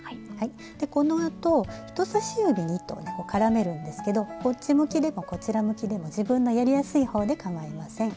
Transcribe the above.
でこのあと人さし指に糸を絡めるんですけどこっち向きでもこちら向きでも自分のやりやすい方でかまいません。